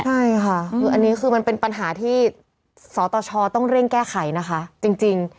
ใช่ค่ะคืออันนี้คือมันเป็นปัญหาที่สตชต้องเร่งแก้ไขนะคะจริง